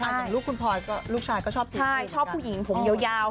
อย่างลูกคุณพรลูกชายก็ชอบสิ่งนี้ชอบผู้หญิงหยาว